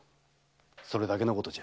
それだけのことじゃ。